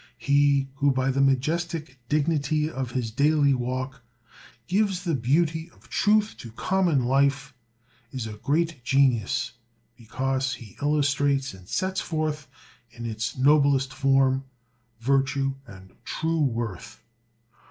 He who, by the majestic dignity of his daily walk, gives the beauty of truth to common life, is a great genius, because he illustrates and sets forth, in its noblest form, virtue and true worth.